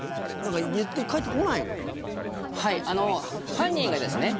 犯人がですね